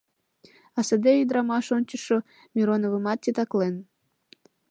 А саде ӱдрамаш ончычшо Мироновымат титаклен.